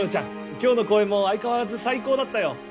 今日の公演も相変わらず最高だったよ